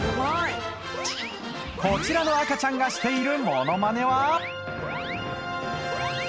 こちらの赤ちゃんがしているモノマネは？